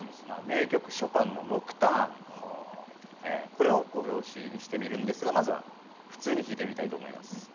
名曲ショパンの『ノクターン』これを５拍子にしてみるんですがまずは普通に弾いてみたいと思います。